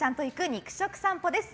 肉食さんぽです。